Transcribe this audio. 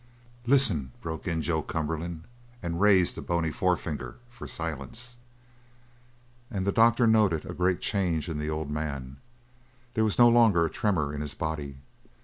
"Listen!" broke in Joe Cumberland, and raised a bony forefinger for silence. And the doctor noted a great change in the old man. There was no longer a tremor in his body.